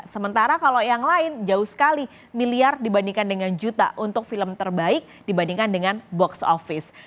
sementara kalau yang lain jauh sekali miliar dibandingkan dengan juta untuk film terbaik dibandingkan dengan box office